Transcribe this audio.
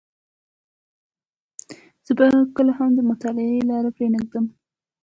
زه به کله هم د مطالعې لاره پرې نه ږدم.